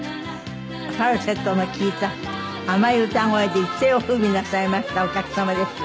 ファルセットの利いた甘い歌声で一世を風靡なさいましたお客様です。